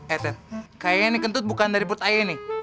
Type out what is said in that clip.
eh ter kayaknya ini kentut bukan dari put aie nih